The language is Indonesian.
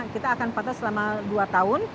kita akan patah selama dua tahun